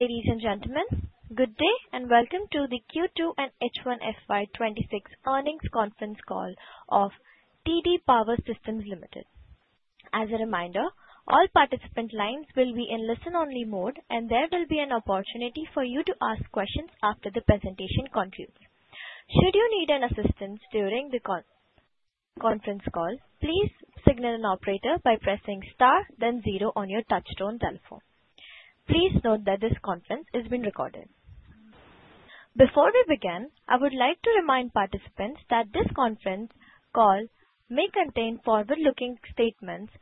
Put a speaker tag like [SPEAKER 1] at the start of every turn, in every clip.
[SPEAKER 1] Ladies and gentlemen, good day and welcome to the Q2 and H1 FY 2026 earnings conference call of TD Power Systems Limited. As a reminder, all participant lines will be in listen-only mode, and there will be an opportunity for you to ask questions after the presentation concludes. Should you need any assistance during the conference call, please signal an operator by pressing star then zero on your touchtone telephone. Please note that this conference is being recorded. Before we begin, I would like to remind participants that this conference call may contain forward-looking statements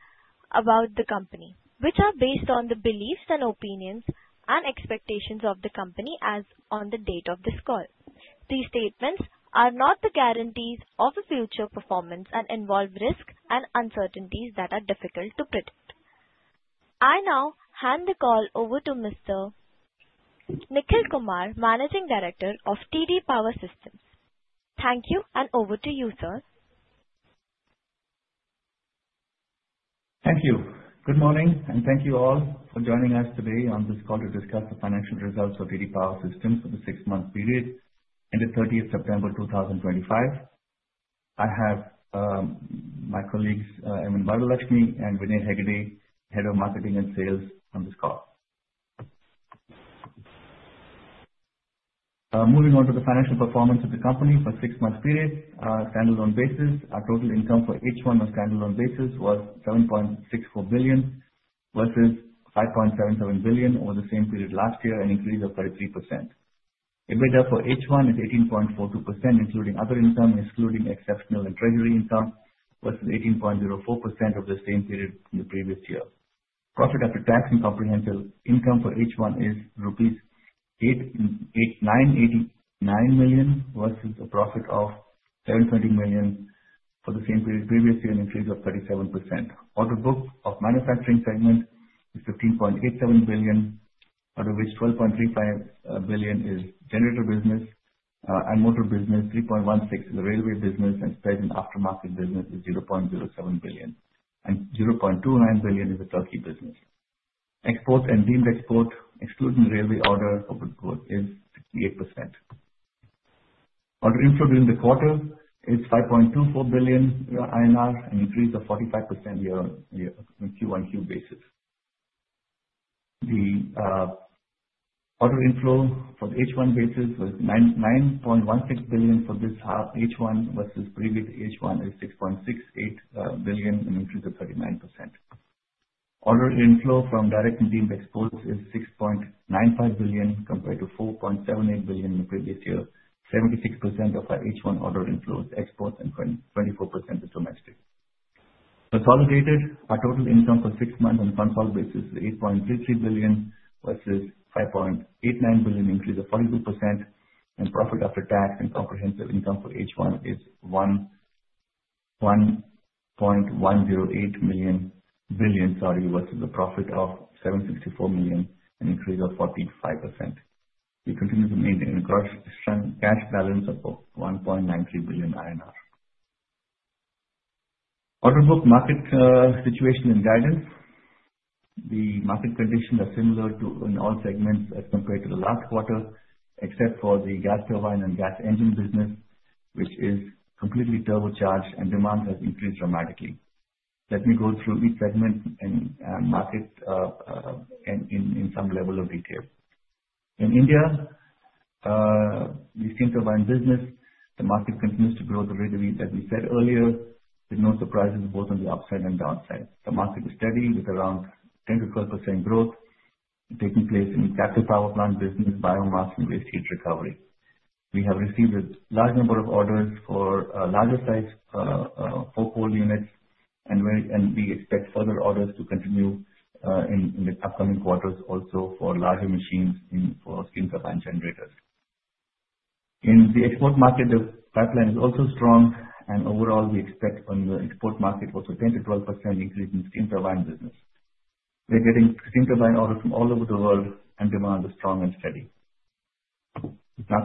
[SPEAKER 1] about the company, which are based on the beliefs and opinions and expectations of the company as on the date of this call. These statements are not the guarantees of a future performance and involve risks and uncertainties that are difficult to predict. I now hand the call over to Mr. Nikhil Kumar, Managing Director of TD Power Systems. Thank you, and over to you, sir.
[SPEAKER 2] Thank you. Good morning, and thank you all for joining us today on this call to discuss the financial results of TD Power Systems for the 6 months period ended 30th September 2025. I have my colleagues, M. N. Varalakshmi and Vinay Hegde, Head of Marketing and Sales, on this call. Moving on to the financial performance of the company for 6 months period. Stand-alone basis, our total income for H1 on a stand-alone basis was 7.64 billion versus 5.77 billion over the same period last year, an increase of 33%. EBITDA for H1 is 18.42%, including other income, excluding exceptional and treasury income, versus 18.04% of the same period in the previous year. Profit after tax and comprehensive income for H1 is rupees 9 billion versus a profit of 720 million for the same period previous year, an increase of 37%. Order book of manufacturing segment is 15.87 billion, out of which 12.35 billion is generator business and motor business, 3.16 billion is the railway business, and spares and aftermarket business is 0.07 billion, and 0.29 billion is the turnkey business. Export and deemed export, excluding railway orders, order book growth is 68%. Order inflow during the quarter is 5.24 billion INR, an increase of 45% year-over-year from Q1Q basis. The order inflow for H1 basis was 9.16 billion for this half, H1 versus previous H1 is 6.68 billion, an increase of 39%. Order inflow from direct and deemed exports is 6.95 billion compared to 4.78 billion in the previous year, 76% of our H1 order inflows, exports, and 24% is domestic. Consolidated, our total income for six months on a consolidated basis is 8.33 billion versus 5.89 billion, an increase of 42%, and profit after tax and comprehensive income for H1 is 1.108 billion versus a profit of 764 million, an increase of 45%. We continue to maintain a gross cash balance of 1.93 billion INR. Order book market situation and guidance. The market conditions are similar to in all segments as compared to the last quarter, except for the gas turbine and gas engine business, which is completely turbocharged and demand has increased dramatically. Let me go through each segment and market in some level of detail. In India, the steam turbine business, the market continues to grow at the rate that we said earlier, with no surprises both on the upside and downside. The market is steady with around 10%-12% growth taking place in captive power plant business, biomass, and waste heat recovery. We have received a large number of orders for larger sites, four-pole units, and we expect further orders to continue in the upcoming quarters also for larger machines for steam turbine generators. In the export market, the pipeline is also strong and overall, we expect on the export market also 10%-12% increase in steam turbine business. We're getting steam turbine orders from all over the world and demand is strong and steady.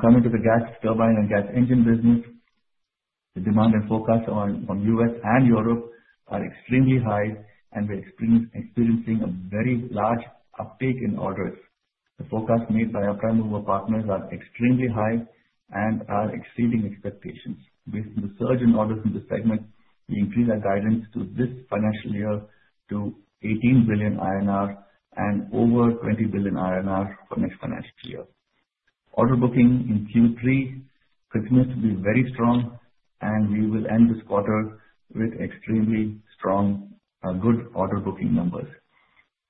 [SPEAKER 2] Coming to the gas turbine and gas engine business. The demand and forecast on U.S. and Europe are extremely high and we're experiencing a very large uptake in orders. The forecasts made by our prime mover partners are extremely high and are exceeding expectations. Based on the surge in orders in this segment, we increase our guidance to this financial year to 18 billion INR and over 20 billion INR for next financial year. Order booking in Q3 continues to be very strong and we will end this quarter with extremely strong good order booking numbers.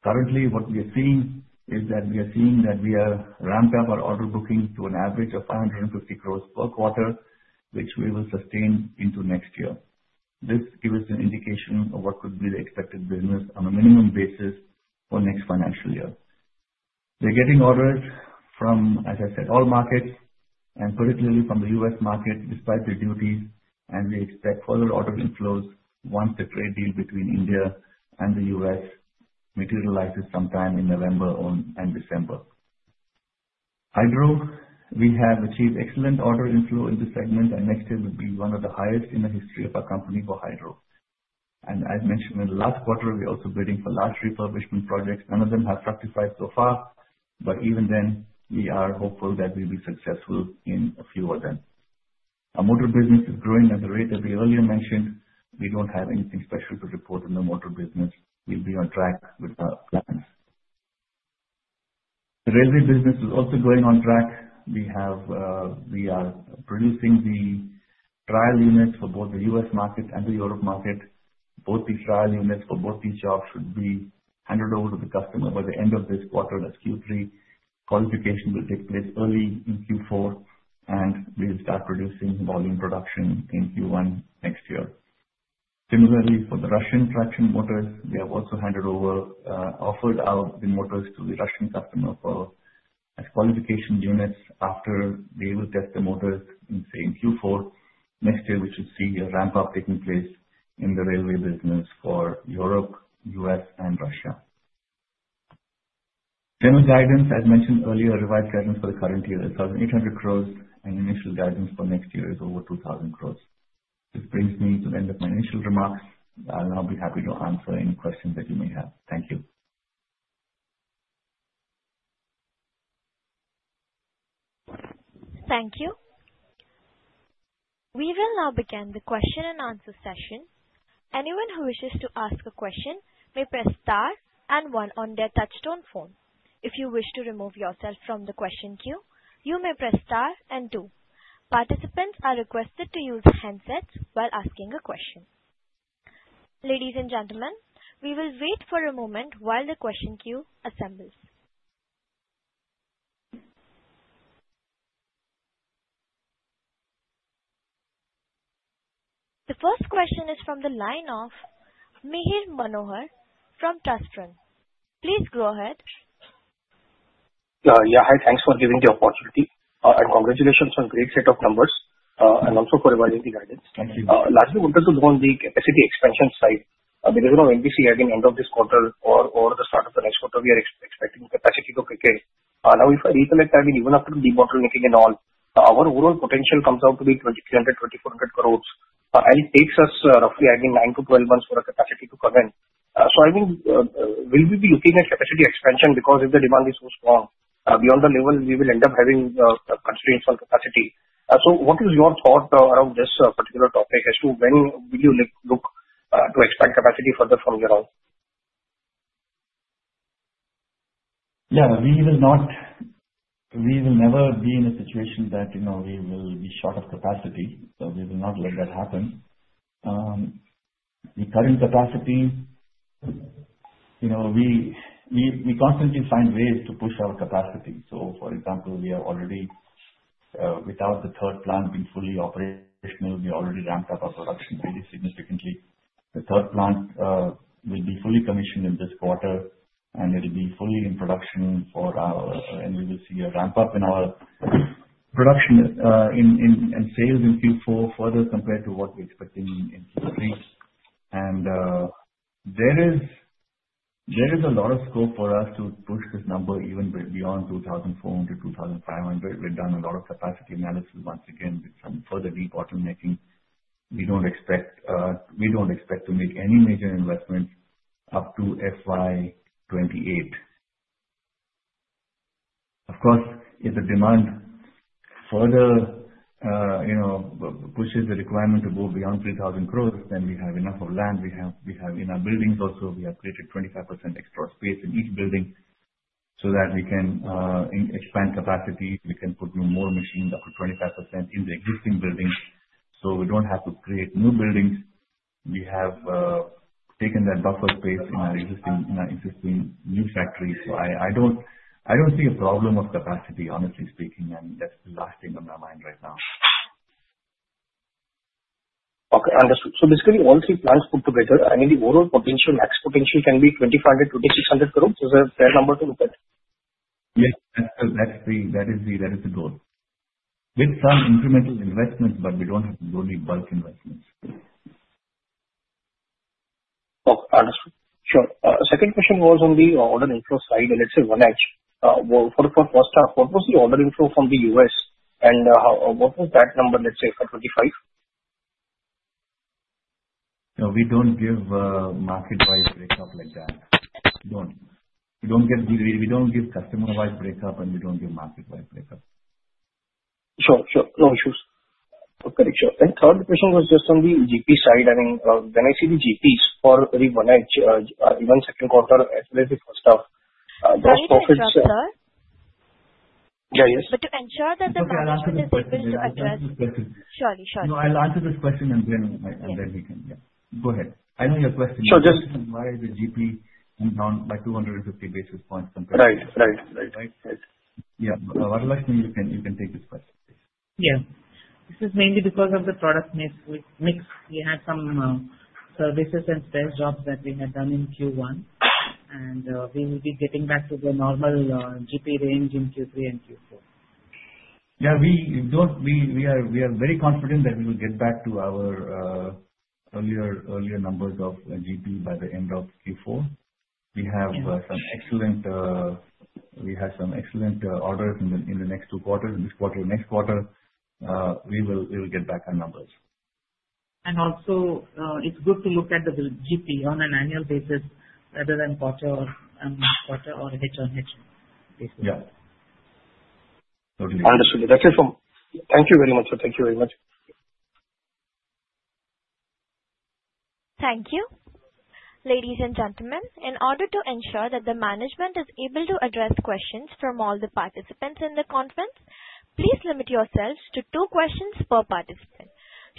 [SPEAKER 2] Currently, what we are seeing is that we have ramped up our order booking to an average of 550 crores per quarter, which we will sustain into next year. This gives us an indication of what could be the expected business on a minimum basis for next financial year. We're getting orders from, as I said, all markets and particularly from the U.S. market despite the duties and we expect further order inflows once the trade deal between India and the U.S. materializes sometime in November and December. Hydro, we have achieved excellent order inflow in this segment and next year will be one of the highest in the history of our company for Hydro. I've mentioned in the last quarter, we're also bidding for large refurbishment projects. Even then, we are hopeful that we'll be successful in a few of them. Our motor business is growing at the rate that we earlier mentioned. We don't have anything special to report in the motor business. We'll be on track with our plans. The railway business is also going on track. We are producing the trial units for both the U.S. market and the Europe market. Both the trial units for both these jobs should be handed over to the customer by the end of this quarter, that's Q3. Qualification will take place early in Q4, and we'll start producing volume production in Q1 next year. Similarly, for the Russian traction motors, we have also handed over, offered our the motors to the Russian customer for as qualification units. After they will test the motors in, say, in Q4 next year, we should see a ramp-up taking place in the railway business for Europe, U.S., and Russia. The guidance, as mentioned earlier, revised guidance for the current year is 1,800 crores, and initial guidance for next year is over 2,000 crores. This brings me to the end of my initial remarks. I'll now be happy to answer any questions that you may have. Thank you.
[SPEAKER 1] Thank you. We will now begin the question and answer session. Anyone who wishes to ask a question may press star 1 on their touchtone phone. If you wish to remove yourself from the question queue, you may press star 2. Participants are requested to use handsets while asking a question. Ladies and gentlemen, we will wait for a moment while the question queue assembles. The first question is from the line of Mihir Manohar from TrustEdge. Please go ahead.
[SPEAKER 3] Hi, thanks for giving the opportunity. Congratulations on great set of numbers, and also for revising the guidance.
[SPEAKER 2] Thank you.
[SPEAKER 3] Larsen & Toubro on the capacity expansion side, because of NBC, I think end of this quarter or the start of the next quarter, we are expecting capacity to kick in. If I recollect, I mean, even after the debottlenecking and all, our overall potential comes out to be 2,300-2,400 crore. It takes us roughly, I think, 9 to 12 months for our capacity to come in. I think, will we be looking at capacity expansion because if the demand is so strong, beyond the level, we will end up having constraints on capacity. What is your thought around this particular topic as to when will you look to expand capacity further from here on?
[SPEAKER 2] Yeah, we will never be in a situation that we will be short of capacity, so we will not let that happen. The current capacity, we constantly find ways to push our capacity. For example, we have already, without the third plant being fully operational, we already ramped up our production pretty significantly. The third plant will be fully commissioned in this quarter, and it'll be fully in production. We will see a ramp-up in our production and sales in Q4 further compared to what we expect in Q3. There is a lot of scope for us to push this number even beyond 2,400-2,500 crore. We've done a lot of capacity analysis once again with some further debottlenecking. We don't expect to make any major investments up to FY 2028. Of course, if the demand further pushes the requirement to go beyond 3,000 crore, then we have enough of land. We have in our buildings also, we have created 25% extra space in each building so that we can expand capacity. We can put new more machines up to 25% in the existing buildings, so we don't have to create new buildings. We have taken that buffer space in our existing new factory. I don't see a problem of capacity, honestly speaking, and that's the last thing on my mind right now.
[SPEAKER 3] Okay, understood. Basically, all three plants put together, I think the overall potential, max potential can be 2,500-2,600 crore. Is that a fair number to look at?
[SPEAKER 2] Yes, that is the goal. With some incremental investments, we don't have to do any bulk investments.
[SPEAKER 3] Okay, understood. Sure. Second question was on the order inflow side, let's say 1H. For the first half, what was the order inflow from the U.S. and what was that number, let's say, for 25?
[SPEAKER 2] No, we don't give market-wise breakup like that. We don't. We don't give customer-wise breakup, and we don't give market-wise breakup.
[SPEAKER 3] Sure. No issues. Okay, sure. Third question was just on the GP side. I think when I see the GPs for the 1H, even second quarter as well as the first half, gross profits-
[SPEAKER 1] Sorry to interrupt, sir.
[SPEAKER 3] Yeah, yes.
[SPEAKER 1] To ensure that the management is able to address.
[SPEAKER 2] It's okay. I'll answer this question.
[SPEAKER 1] Sure.
[SPEAKER 2] No, I'll answer this question and then we can. Go ahead. I know your question.
[SPEAKER 3] Sure.
[SPEAKER 2] The question is why is the GP down by 250 basis points compared to-
[SPEAKER 3] Right.
[SPEAKER 2] You can take this question.
[SPEAKER 4] This is mainly because of the product mix. We had some services and sales jobs that we had done in Q1. We will be getting back to the normal GP range in Q3 and Q4.
[SPEAKER 2] Yeah. We are very confident that we will get back to our earlier numbers of GP by the end of Q4. We have some excellent orders in the next two quarters. This quarter, next quarter, we will get back our numbers.
[SPEAKER 4] Also, it's good to look at the GP on an annual basis rather than quarter-on-quarter or H1-on-H1 basis.
[SPEAKER 2] Yeah. Totally.
[SPEAKER 3] Understood. That's it, sir. Thank you very much.
[SPEAKER 1] Thank you. Ladies and gentlemen, in order to ensure that the management is able to address questions from all the participants in the conference, please limit yourselves to two questions per participant.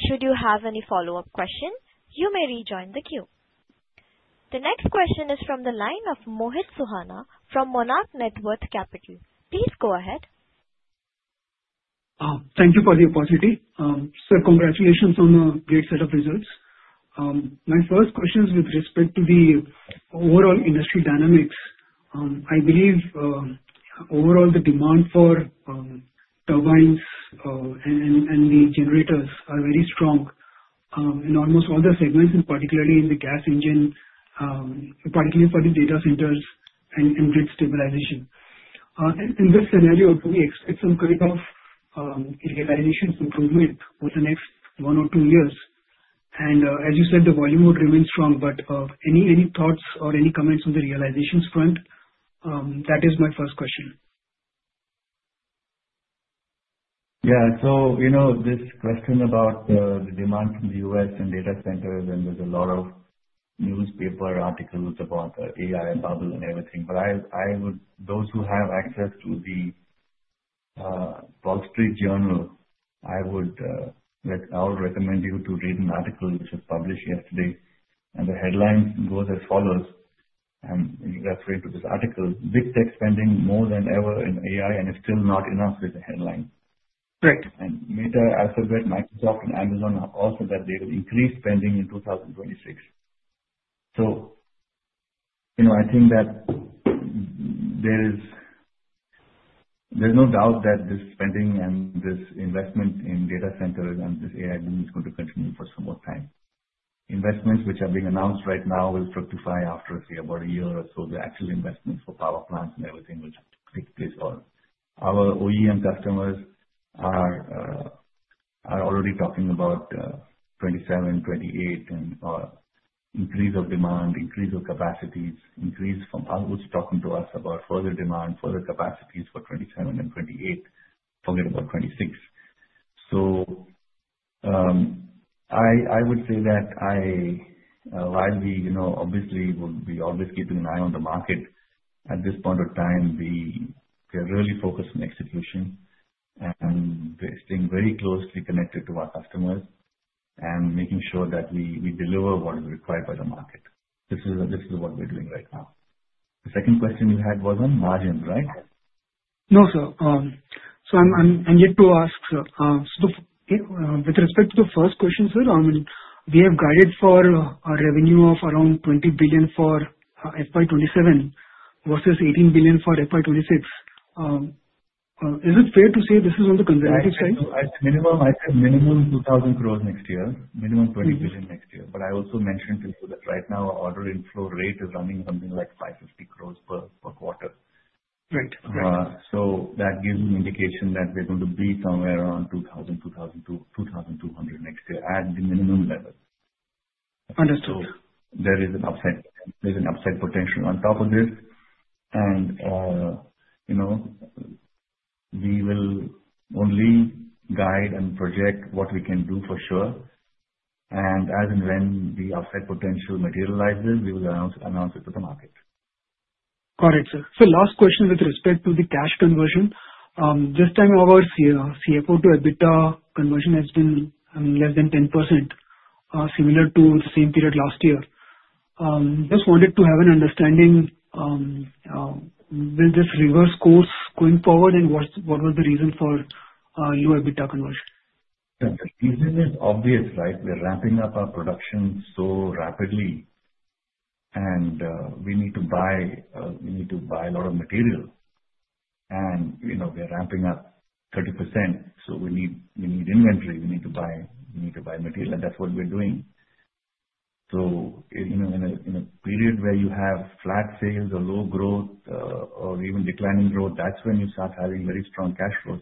[SPEAKER 1] Should you have any follow-up questions, you may rejoin the queue. The next question is from the line of Mohit Juhana from Monarch Networth Capital. Please go ahead.
[SPEAKER 5] Thank you for the opportunity. Sir, congratulations on a great set of results. My first question is with respect to the overall industry dynamics. I believe overall the demand for turbines and the generators are very strong in almost all the segments, particularly in the gas engine, particularly for the data centers and grid stabilization. In this scenario, do we expect some kind of realization improvement over the next one or two years? As you said, the volume would remain strong, but any thoughts or any comments on the realizations front? That is my first question.
[SPEAKER 2] Yeah. This question about the demand from the U.S. and data centers, there's a lot of newspaper articles about the AI bubble and everything. Those who have access to The Wall Street Journal, I would recommend you to read an article which was published yesterday, the headline goes as follows, and refers to this article, "Big Tech Spending More Than Ever in AI and It's Still Not Enough," is the headline.
[SPEAKER 5] Great.
[SPEAKER 2] Meta, Alphabet, Microsoft, and Amazon have all said that they will increase spending in 2026. I think that there's no doubt that this spending and this investment in data centers and this AI boom is going to continue for some more time. Investments which are being announced right now will fructify after, say, about a year or so. The actual investments for power plants and everything will take place. Our OEM customers are already talking about 2027, 2028, and increase of demand, increase of capacities. Powergrid's talking to us about further demand, further capacities for 2027 and 2028, forget about 2026. I would say that while we obviously would be always keeping an eye on the market, at this point of time, we are really focused on execution and staying very closely connected to our customers and making sure that we deliver what is required by the market. This is what we're doing right now. The second question you had was on margin, right?
[SPEAKER 5] No, sir. I'm yet to ask, sir. With respect to the first question, sir, we have guided for a revenue of around 20 billion for FY 2027 versus 18 billion for FY 2026. Is it fair to say this is on the conservative side?
[SPEAKER 2] At minimum, 2,000 crore next year, minimum 20 billion next year. I also mentioned to you that right now our order inflow rate is running something like 550 crore per quarter.
[SPEAKER 5] Right.
[SPEAKER 2] That gives an indication that we're going to be somewhere around 2,000, 2,200 next year at the minimum level.
[SPEAKER 5] Understood.
[SPEAKER 2] There's an upside potential on top of this, we will only guide and project what we can do for sure. As and when the upside potential materializes, we will announce it to the market.
[SPEAKER 5] Got it, sir. Sir, last question with respect to the cash conversion. This time over CFO to EBITDA conversion has been less than 10%, similar to the same period last year. Just wanted to have an understanding, will this reverse course going forward and what was the reason for low EBITDA conversion?
[SPEAKER 2] The reason is obvious, right? We're ramping up our production so rapidly, we need to buy a lot of material. We're ramping up 30%, so we need inventory. We need to buy material. That's what we're doing. In a period where you have flat sales or low growth, or even declining growth, that's when you start having very strong cash flows,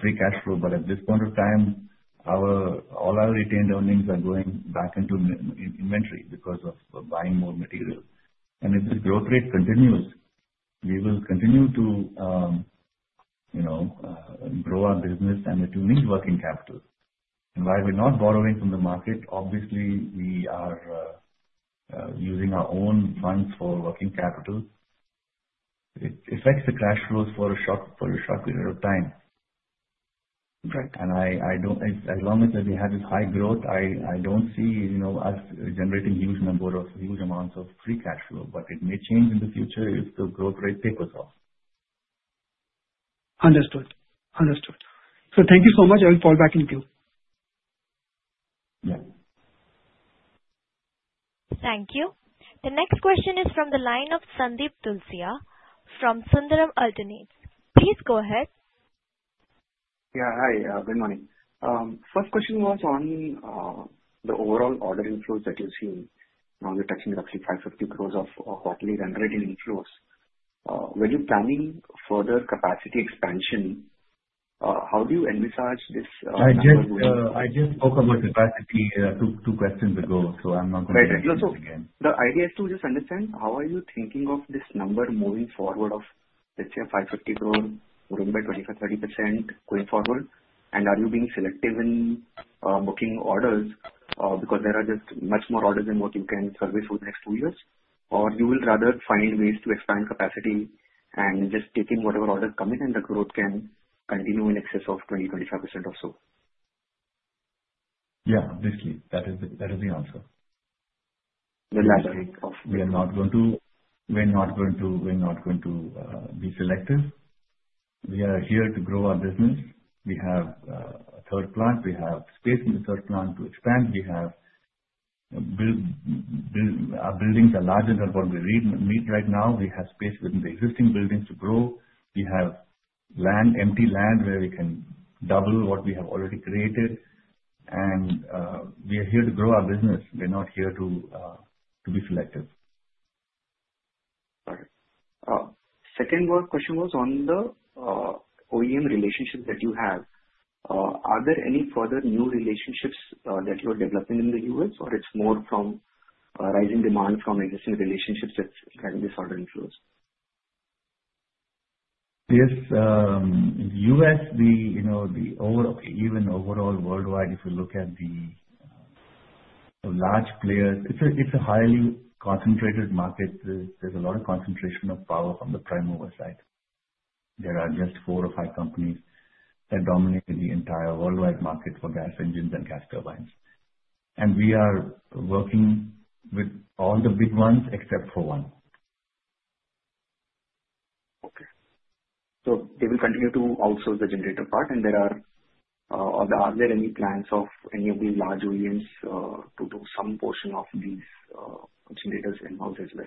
[SPEAKER 2] free cash flow. At this point of time, all our retained earnings are going back into inventory because of buying more material. If this growth rate continues, we will continue to grow our business, and that you need working capital. Why we're not borrowing from the market, obviously, we are using our own funds for working capital. It affects the cash flows for a short period of time.
[SPEAKER 5] Right.
[SPEAKER 2] As long as we have this high growth, I don't see us generating huge amounts of free cash flow. It may change in the future if the growth rate tapers off.
[SPEAKER 5] Understood. Sir, thank you so much. I will fall back in queue.
[SPEAKER 2] Yeah.
[SPEAKER 1] Thank you. The next question is from the line of Sandip Tulsiyan from Sundaram Alternates. Please go ahead.
[SPEAKER 6] Yeah. Hi, good morning. First question was on the overall order inflows that you're seeing. Now you're touching roughly 550 crores of quarterly run rate inflows. Were you planning further capacity expansion? How do you envisage this number?
[SPEAKER 2] I just spoke about capacity two questions ago, so I'm not going to repeat it again.
[SPEAKER 6] Right. The idea is to just understand how are you thinking of this number moving forward of let's say 550 crore growing by 25%, 30% going forward? Are you being selective in booking orders? Because there are just much more orders than what you can service for the next two years. Or you will rather find ways to expand capacity and just take in whatever orders come in, and the growth can continue in excess of 20%, 25% or so.
[SPEAKER 2] Yeah, basically. That is the answer.
[SPEAKER 6] Reluctant of-
[SPEAKER 2] We're not going to be selective. We are here to grow our business. We have a third plant. We have space in the third plant to expand. Our buildings are larger than what we need right now. We have space within the existing buildings to grow. We have empty land where we can double what we have already created. We are here to grow our business. We're not here to be selective.
[SPEAKER 6] All right. Second question was on the OEM relationships that you have. Are there any further new relationships that you are developing in the U.S., or it's more from rising demand from existing relationships that's driving these order inflows?
[SPEAKER 2] Yes. U.S., even overall worldwide, if you look at the large players, it's a highly concentrated market. There's a lot of concentration of power from the prime mover side. There are just four or five companies that dominate the entire worldwide market for gas engines and gas turbines. We are working with all the big ones except for one.
[SPEAKER 6] Okay. They will continue to also source the generator part. Are there any plans of any of the large OEMs to do some portion of these generators in-house as well?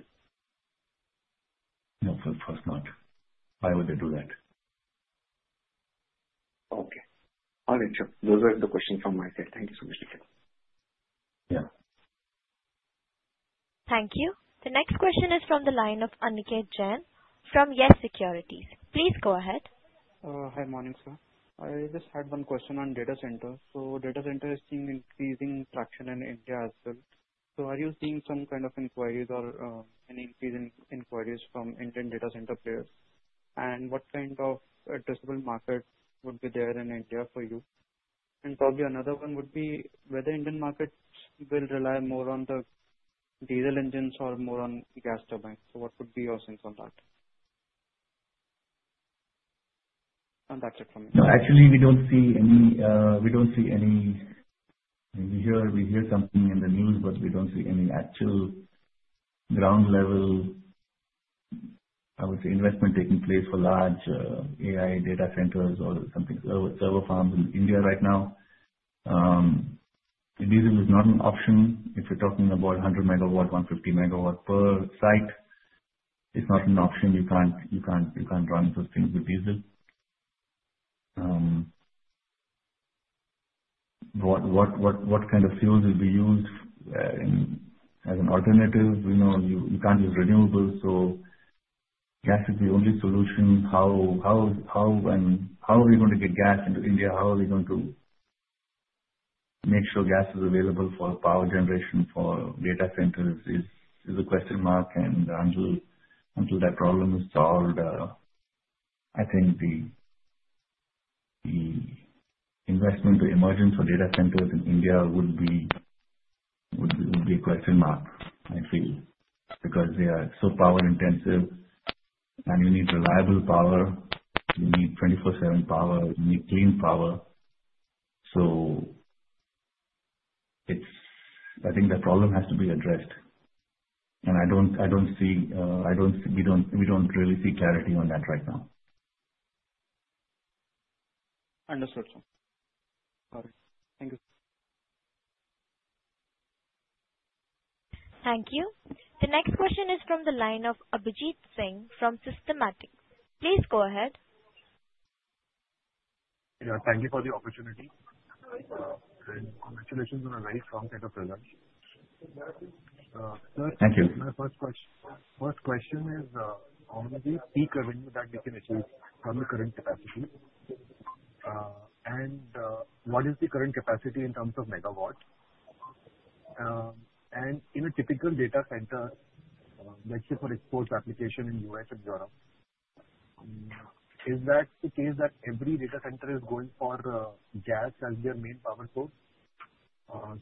[SPEAKER 2] No, of course not. Why would they do that?
[SPEAKER 6] Okay. All right, sure. Those were the questions from my side. Thank you so much, Nikhil.
[SPEAKER 2] Yeah.
[SPEAKER 1] Thank you. The next question is from the line of Aniket Jain from Yes Securities. Please go ahead.
[SPEAKER 7] Hi. Morning, sir. I just had one question on data center. Data center is seeing increasing traction in India as well. Are you seeing some kind of inquiries or an increase in inquiries from Indian data center players? What kind of addressable market would be there in India for you? Probably another one would be whether Indian markets will rely more on the diesel engines or more on gas turbines. What would be your sense on that? That's it from my side.
[SPEAKER 2] No, actually, we hear something in the news, but we don't see any actual ground-level, I would say, investment taking place for large AI data centers or something, server farms in India right now. Diesel is not an option. If you're talking about 100 megawatt, 150 megawatt per site, it's not an option. You can't run such things with diesel. What kind of fuels will be used as an alternative? You can't use renewables, gas is the only solution. How are we going to get gas into India? How are we going to make sure gas is available for power generation for data centers is a question mark. Until that problem is solved, I think the investment, the emergence of data centers in India would be a question mark, I feel. Because they are so power intensive, and you need reliable power. You need 24/7 power. You need clean power. I think that problem has to be addressed. We don't really see clarity on that right now.
[SPEAKER 7] Understood, sir. All right. Thank you.
[SPEAKER 1] Thank you. The next question is from the line of Abhijeet Singh from Systematix. Please go ahead.
[SPEAKER 8] Yeah. Thank you for the opportunity.
[SPEAKER 2] No problem.
[SPEAKER 8] Congratulations on a very strong set of results.
[SPEAKER 2] Thank you.
[SPEAKER 8] Sir, my first question is on the peak revenue that you can achieve from the current capacity. What is the current capacity in terms of megawatts? In a typical data center, let's say for exports application in U.S. and Europe, is that the case that every data center is going for gas as their main power source?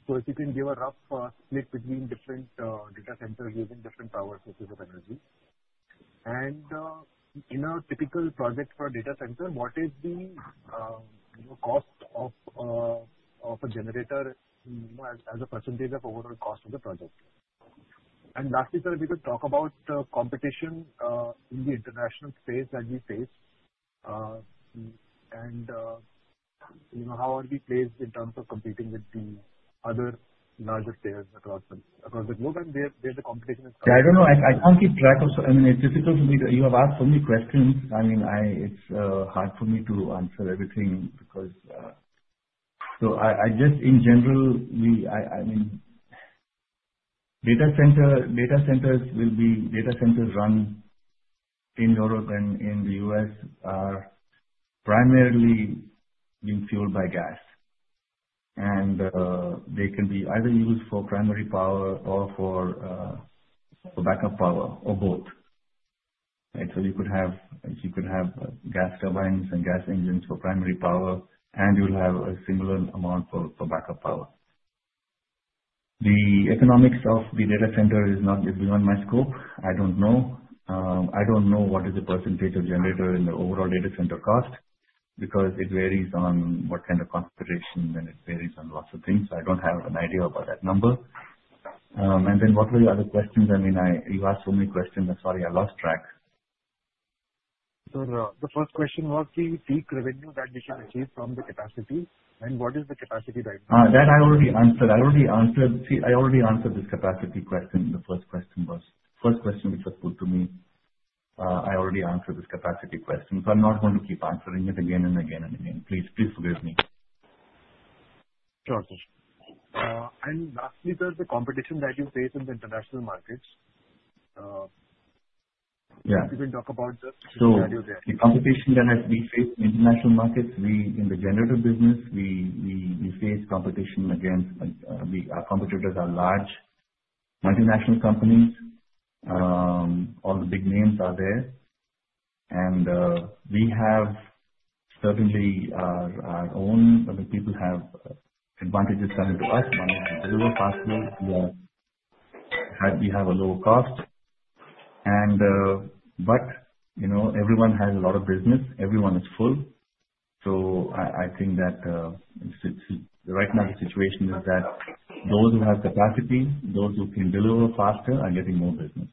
[SPEAKER 8] If you can give a rough split between different data centers using different power sources of energy. In a typical project for a data center, what is the cost of a generator as a percentage of overall cost of the project? Lastly, sir, if you could talk about competition in the international space that we face. How are we placed in terms of competing with the other larger players across the globe and where the competition is coming from?
[SPEAKER 2] I don't know. You have asked so many questions. It's hard for me to answer everything. Just in general, data centers run in Europe and in the U.S. are primarily being fueled by gas. They can be either used for primary power or for backup power or both. You could have gas turbines and gas engines for primary power, and you'll have a similar amount for backup power. The economics of the data center is beyond my scope. I don't know. I don't know what is the percentage of generator in the overall data center cost, because it varies on what kind of configuration and it varies on lots of things. I don't have an idea about that number. Then what were the other questions? You asked so many questions, I'm sorry, I lost track.
[SPEAKER 8] Sir, the first question was the peak revenue that we shall achieve from the capacity and what is the capacity right now?
[SPEAKER 2] That I already answered. See, I already answered this capacity question. The first question which was put to me, I already answered this capacity question. I'm not going to keep answering it again and again. Please forgive me.
[SPEAKER 8] Sure, sir. Lastly, sir, the competition that you face in the international markets.
[SPEAKER 2] Yeah.
[SPEAKER 8] If you can talk about the value there.
[SPEAKER 2] The competition that we face in international markets, in the generator business, our competitors are large multinational companies. All the big names are there. Certainly, our own people have advantages coming to us. One, we can deliver faster. We have a lower cost. Everyone has a lot of business. Everyone is full. I think that the right market situation is that those who have capacity, those who can deliver faster, are getting more business.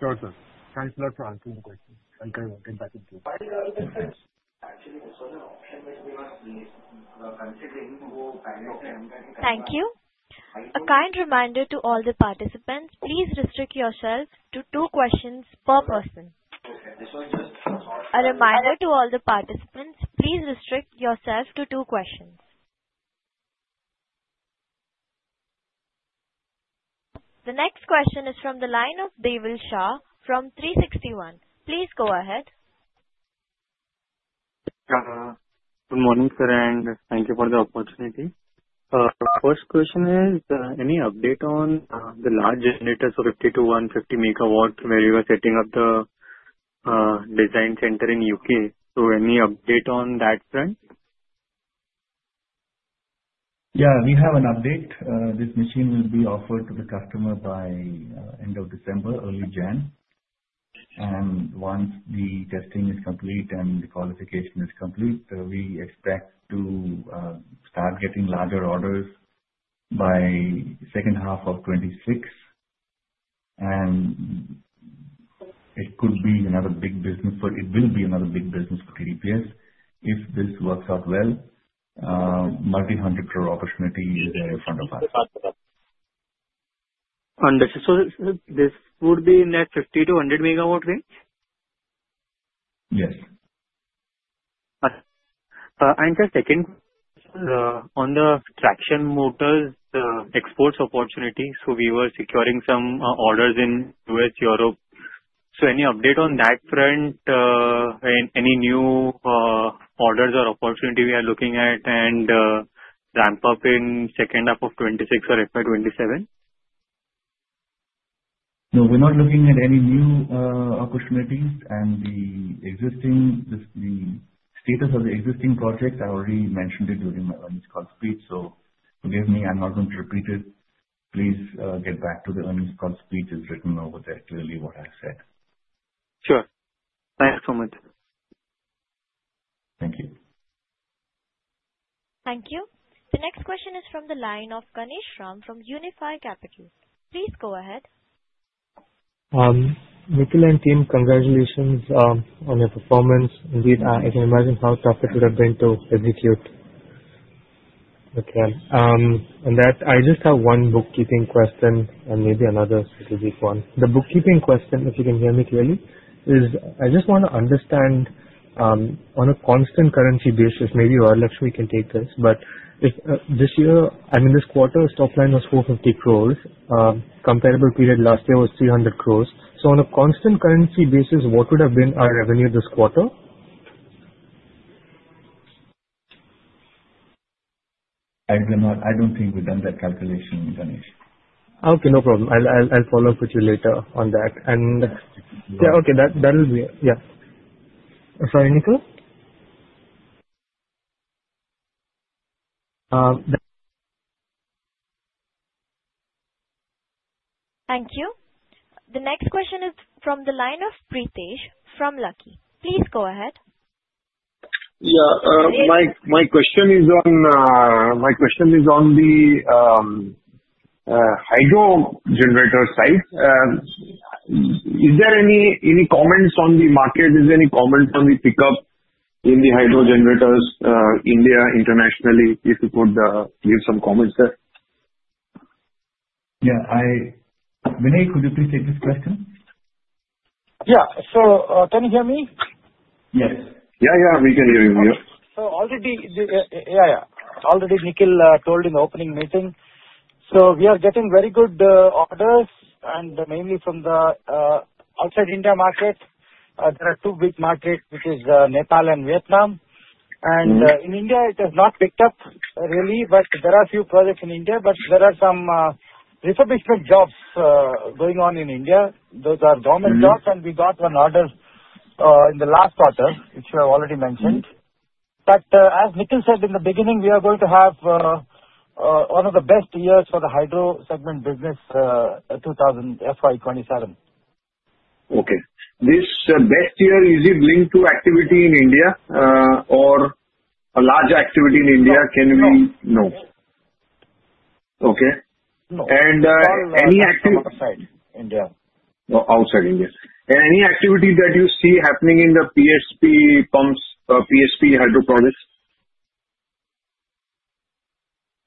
[SPEAKER 8] Sure, sir. Thanks a lot for answering the questions. I'll get back into queue.
[SPEAKER 9] Actually, this was an option which we were considering to go
[SPEAKER 1] Thank you. A kind reminder to all the participants, please restrict yourself to two questions per person.
[SPEAKER 9] Okay.
[SPEAKER 1] A reminder to all the participants, please restrict yourself to two questions. The next question is from the line of Deval Shah from 360 ONE. Please go ahead.
[SPEAKER 10] Good morning, sir, and thank you for the opportunity. First question is, any update on the large generators of 50-150 megawatts where you are setting up the design center in the U.K.? Any update on that front?
[SPEAKER 2] Yeah, we have an update. This machine will be offered to the customer by end of December, early January. Once the testing is complete and the qualification is complete, we expect to start getting larger orders by second half of 2026. It could be another big business, or it will be another big business for TDPS. If this works out well, multi-hundred crore opportunity is there in front of us.
[SPEAKER 10] Understood. This would be in that 50-100 megawatt range?
[SPEAKER 2] Yes.
[SPEAKER 10] The second, on the traction motors exports opportunity. We were securing some orders in Western Europe. Any update on that front? Any new orders or opportunity we are looking at and ramp-up in second half of 2026 or FY 2027?
[SPEAKER 2] No, we're not looking at any new opportunities. The status of the existing project, I already mentioned it during my earnings call speech. Forgive me, I'm not going to repeat it. Please get back to the earnings call speech. It's written over there clearly what I said.
[SPEAKER 10] Sure. Thanks so much.
[SPEAKER 2] Thank you.
[SPEAKER 1] Thank you. The next question is from the line of Ganesh Rajagopalan from Unifi Capital. Please go ahead.
[SPEAKER 11] Nikhil and team, congratulations on your performance. Indeed, I can imagine how tough it would have been to execute. I just have one bookkeeping question and maybe another strategic one. The bookkeeping question, if you can hear me clearly, is I just want to understand on a constant currency basis, maybe Ratlesh we can take this, but this year, I mean, this quarter, top line was 450 crores. Comparable period last year was 300 crores. On a constant currency basis, what would have been our revenue this quarter?
[SPEAKER 2] I don't think we've done that calculation, Ganesh.
[SPEAKER 11] Okay, no problem. I'll follow up with you later on that. Yeah, okay. That will be it. Yeah. Sorry, Nikhil?
[SPEAKER 1] Thank you. The next question is from the line of Preetish from Lucky. Please go ahead.
[SPEAKER 12] Yeah. My question is on the hydro generator side. Is there any comments on the market? Is there any comment on the pickup in the hydro generators, India, internationally? If you could give some comments there.
[SPEAKER 9] Vinay, could you please take this question? Can you hear me? Yes.
[SPEAKER 13] We can hear you.
[SPEAKER 9] Already Nikhil told in the opening meeting. We are getting very good orders and mainly from the outside India market. There are two big markets, which is Nepal and Vietnam. In India, it has not picked up really, but there are a few projects in India. There are some refurbishment jobs going on in India. Those are government jobs, and we got an order in the last quarter, which we have already mentioned. As Nikhil said in the beginning, we are going to have one of the best years for the hydro segment business FY 2027.
[SPEAKER 12] Okay. This best year, is it linked to activity in India or a large activity in India?
[SPEAKER 9] No.
[SPEAKER 12] No. Okay.
[SPEAKER 9] No. Any activity- From outside India.
[SPEAKER 12] Outside India. Any activity that you see happening in the PSP pumps, PSP hydro projects?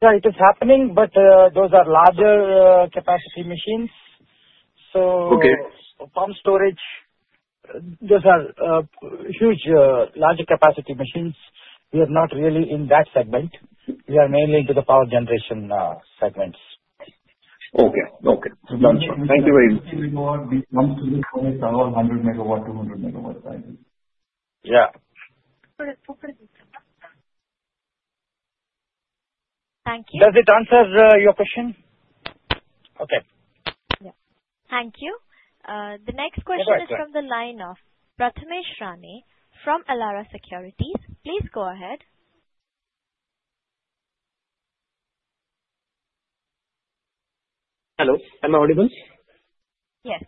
[SPEAKER 9] Yeah, it is happening. Those are larger capacity machines.
[SPEAKER 12] Okay.
[SPEAKER 9] Pumped storage, those are huge, larger capacity machines. We are not really in that segment. We are mainly into the power generation segments.
[SPEAKER 12] Okay. Done, sir. Thank you very much.
[SPEAKER 9] These pumps will be somewhere around 100 MW, 200 MW.
[SPEAKER 12] Yeah.
[SPEAKER 9] Thank you. Does it answer your question?
[SPEAKER 12] Okay.
[SPEAKER 1] Yeah. Thank you. The next question is from the line of Prathamesh Rane from Elara Capital. Please go ahead.
[SPEAKER 14] Hello, am I audible?
[SPEAKER 1] Yes.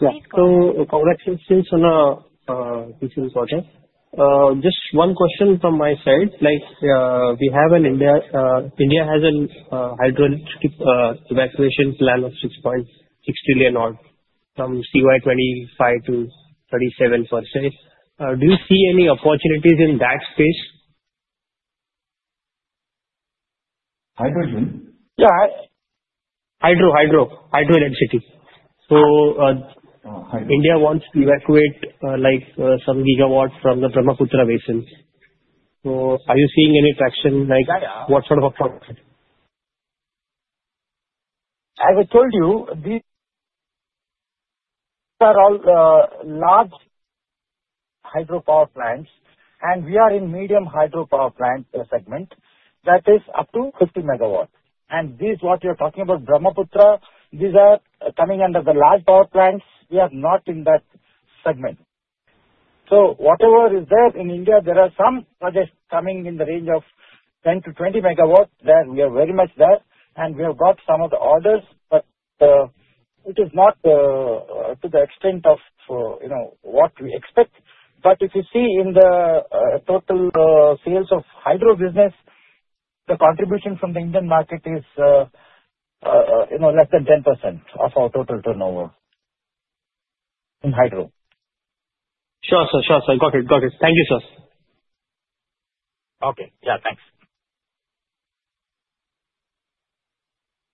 [SPEAKER 14] Yeah.
[SPEAKER 1] Please go ahead.
[SPEAKER 14] Congratulations on a good quarter. Just one question from my side. India has a hydroelectric evacuation plan of 6.6 trillion from CY 2025 to 2037. Do you see any opportunities in that space?
[SPEAKER 9] Hydrogen?
[SPEAKER 14] Yeah. Hydro density. India wants to evacuate some gigawatts from the Brahmaputra basins. Are you seeing any traction, like what sort of a product?
[SPEAKER 9] As I told you, these are all large hydropower plants, and we are in medium hydropower plant segment that is up to 50 MW. This, what you are talking about, Brahmaputra, these are coming under the large power plants. We are not in that segment. Whatever is there in India, there are some projects coming in the range of 10-20 MW. There, we are very much there, and we have got some of the orders, but it is not to the extent of what we expect. If you see in the total sales of hydro business, the contribution from the Indian market is less than 10% of our total turnover in hydro.
[SPEAKER 14] Sure, sir. Got it. Thank you, sir.
[SPEAKER 9] Okay. Yeah, thanks.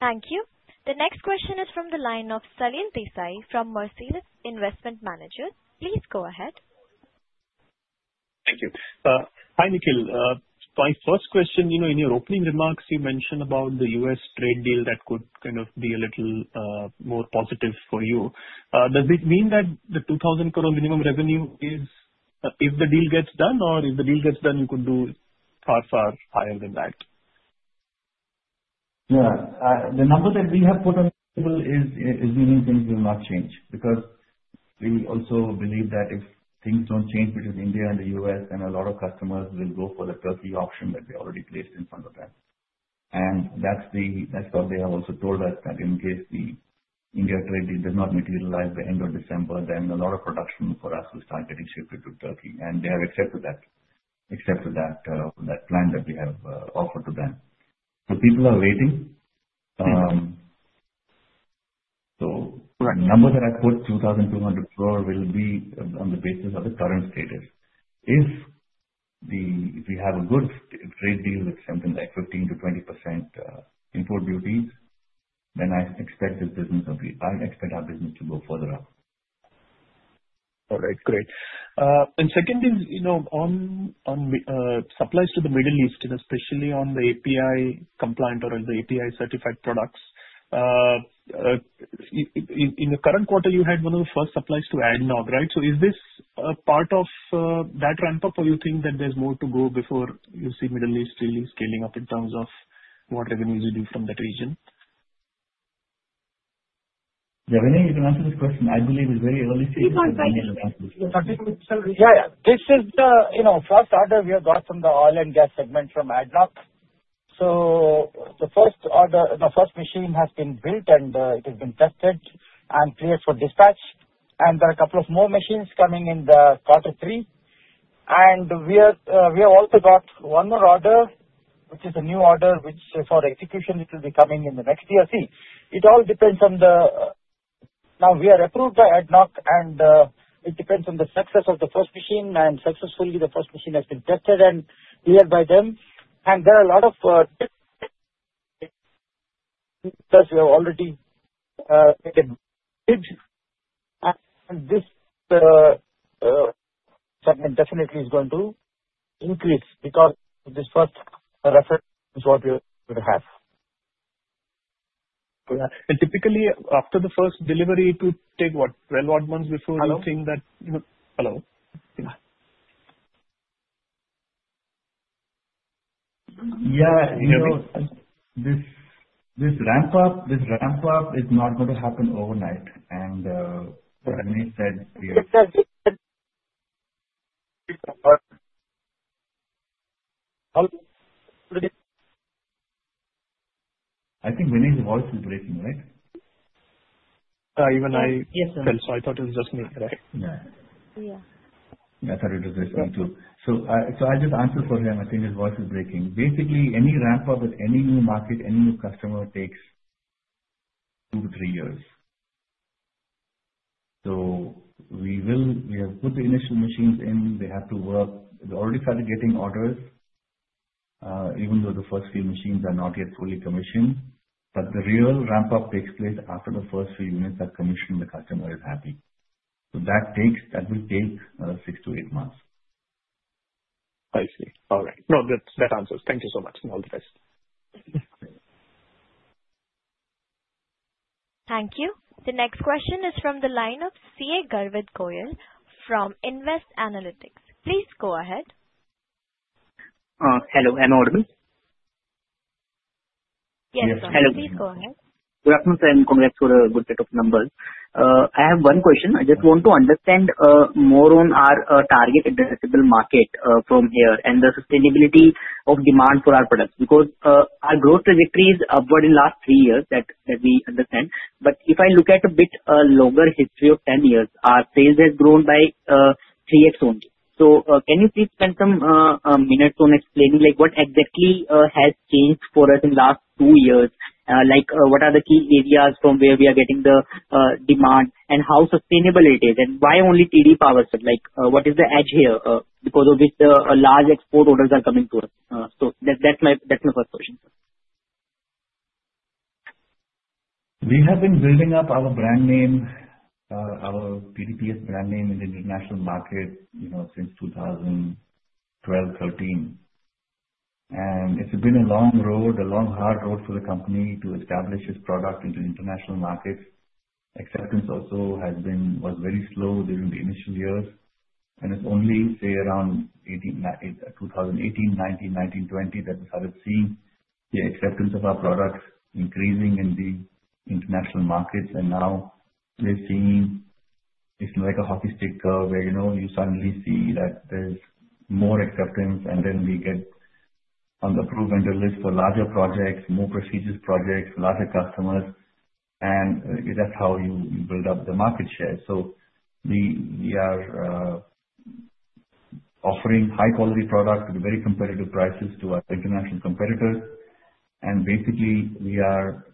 [SPEAKER 1] Thank you. The next question is from the line of Salil Desai from Marcellus Investment Managers. Please go ahead.
[SPEAKER 15] Thank you. Hi, Nikhil. My first question, in your opening remarks, you mentioned about the U.S. trade deal that could be a little more positive for you. Does it mean that the 2,000 crore minimum revenue is if the deal gets done, or if the deal gets done, you could do far, far higher than that?
[SPEAKER 2] Yeah. The number that we have put on the table is meaning things will not change. We also believe that if things don't change between India and the U.S., then a lot of customers will go for the Turkey option that we already placed in front of them. That's what they have also told us, that in case the India trade deal does not materialize by the end of December, then a lot of production for us will start getting shifted to Turkey. They have accepted that plan that we have offered to them. People are waiting.
[SPEAKER 15] Yes.
[SPEAKER 2] The number that I put, 2,200 crore, will be on the basis of the current status. If we have a good trade deal with something like 15%-20% import duties, I expect our business to go further up.
[SPEAKER 15] All right, great. Second is on supplies to the Middle East, especially on the API compliant or the API certified products. In the current quarter, you had one of the first supplies to ADNOC, right? Is this a part of that ramp-up, or you think that there's more to go before you see Middle East really scaling up in terms of what revenues you do from that region?
[SPEAKER 9] Vinay, you can answer this question. I believe it's very early stages. Yeah. This is the first order we have got from the oil and gas segment from ADNOC. The first machine has been built, it has been tested and cleared for dispatch. There are a couple of more machines coming in the quarter three. We have also got one more order, which is a new order, which for execution, it will be coming in the next year. It all depends. Now we are approved by ADNOC, it depends on the success of the first machine. Successfully, the first machine has been tested and cleared by them. There are a lot of we have already taken and this segment definitely is going to increase because this first reference is what we would have.
[SPEAKER 2] Typically, after the first delivery, it will take what? 12 odd months before you think that. Hello?
[SPEAKER 9] Hello.
[SPEAKER 2] Yeah. This ramp-up is not going to happen overnight. Like Vineet said, we are- I think Vineet's voice is breaking, right? Even I.
[SPEAKER 1] Yes.
[SPEAKER 15] I thought it was just me, correct.
[SPEAKER 2] Yeah.
[SPEAKER 1] Yeah.
[SPEAKER 2] I thought it was just me, too. I'll just answer for him. I think his voice is breaking. Any ramp-up with any new market, any new customer takes two to three years. We have put the initial machines in. They have to work. We've already started getting orders, even though the first few machines are not yet fully commissioned. The real ramp-up takes place after the first few units are commissioned, the customer is happy. That will take six to eight months.
[SPEAKER 15] I see. All right. That answers. Thank you so much. All the best.
[SPEAKER 1] Thank you. The next question is from the line of CA Garvit Goyal from Invest Analytics. Please go ahead.
[SPEAKER 16] Hello. Am I audible?
[SPEAKER 1] Yes.
[SPEAKER 2] Yes.
[SPEAKER 16] Hello.
[SPEAKER 1] Please go ahead.
[SPEAKER 16] Congratulations, sir. Good set of numbers. I have one question. I just want to understand more on our target addressable market from here, and the sustainability of demand for our products. Our growth trajectory is upward in last three years, that we understand. If I look at a bit longer history of ten years, our sales has grown by 3x only. Can you please spend some minutes on explaining what exactly has changed for us in last two years? Like, what are the key areas from where we are getting the demand, and how sustainable it is, and why only TD Power Systems? Like, what is the edge here, because of which large export orders are coming to us? That's my first question, sir.
[SPEAKER 2] We have been building up our brand name, our TDPS brand name in the international market since 2012, 2013. It's been a long road, a long hard road for the company to establish its product into international markets. Acceptance also was very slow during the initial years. It's only, say around 2018, 2019, 2020, that we started seeing the acceptance of our products increasing in the international markets. Now we're seeing it's like a hockey stick curve where you suddenly see that there's more acceptance, then we get on the proven list for larger projects, more prestigious projects, larger customers, and that's how you build up the market share. We are offering high-quality products at very competitive prices to our international competitors. Basically, we are